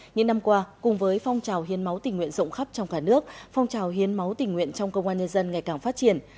những năm qua cùng với phong trào hiến máu tình nguyện rộng khắp trong cả nước phong trào hiến máu tình nguyện trong công an nhân dân ngày càng phát triển